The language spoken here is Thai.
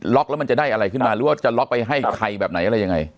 แล้วมันจะได้อะไรขึ้นมาหรือว่าจะล็อกไปให้ใครแบบไหนอะไรยังไง